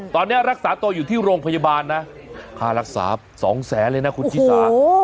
ตอนนี้รักษาตัวอยู่ที่โรงพยาบาลนะค่ารักษา๒แสนเลยนะคุณชิสา